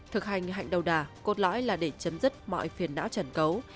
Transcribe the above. thực hành hạnh đầu đà cốt lõi là để chấm dứt mọi phiền não trần cấu